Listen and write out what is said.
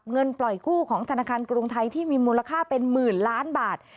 เงินปล่อยคู่ของธนาคารกรุงไทยที่มีมูลค่าเป็น๑๐ล้านบาท